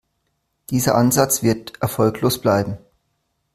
Dieser Ansatz wird erfolglos bleiben.